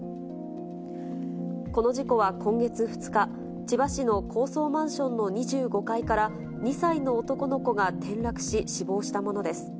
この事故は今月２日、千葉市の高層マンションの２５階から２歳の男の子が転落し、死亡したものです。